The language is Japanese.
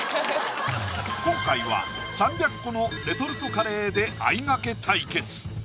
今回は３００個のレトルトカレーであいがけ対決